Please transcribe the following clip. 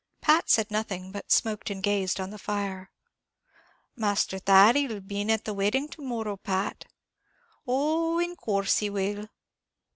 Pat said nothing, but smoked and gazed on the fire. "Masther Thady'll be in at the wedding to morrow, Pat?" "Oh in course he will."